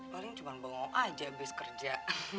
paling cuma bohong aja abis kerja